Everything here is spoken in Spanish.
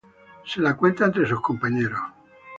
Se la cuenta entre sus compañeros.